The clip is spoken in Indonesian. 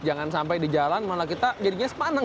jangan sampai di jalan malah kita jadinya sepaneng